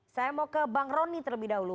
saya mau ke bang rony terlebih dahulu